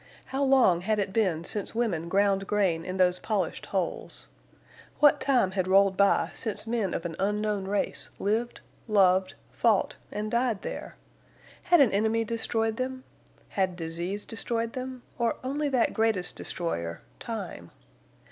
How long had it been since women ground grain in those polished holes? What time had rolled by since men of an unknown race lived, loved, fought, and died there? Had an enemy destroyed them? Had disease destroyed them, or only that greatest destroyer—time?